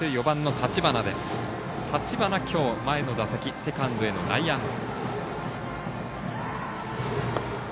立花、きょう、前の打席セカンドへの内野安打。